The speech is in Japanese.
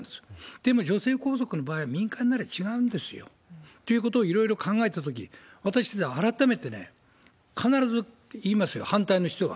でも、女性皇族の場合は、民間なら違うんですよ。ということをいろいろ考えたとき、私たち改めて、必ず言いますよ、反対の人は。